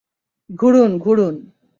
ঘুরুন, ঘুরুন।